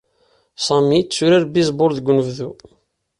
Sami yetturar bizbul deg unebdu.